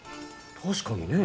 確かにね！